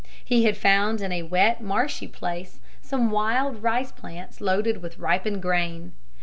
He had found in a wet, marshy place some wild rice plants loaded with ripened grain.